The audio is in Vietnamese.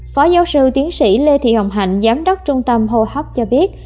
phó giáo sư tiến sĩ lê thị hồng hạnh giám đốc trung tâm hô hấp cho biết